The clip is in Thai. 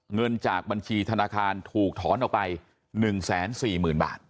เงินจากบัญชีธนาคารถูกถอนออกไป๑๔๐๐๐บาท